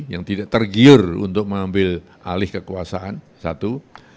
yang tidak tergiur untuk mengambil alih kekuasaan satu